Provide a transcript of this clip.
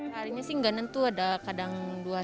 harinya sih gak nentu ada kadang dua tiga